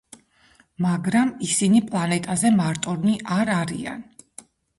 მაგრამ ისინი პლანეტაზე მარტონი არ არიან.